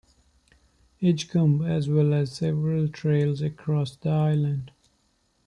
Edgecumbe, as well as several trails across the island.